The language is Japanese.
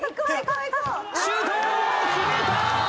シュート決めた！